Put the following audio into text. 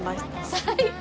最高！